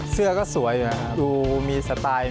เสื้อก็สวยอยู่นะครับดูมีสไตล์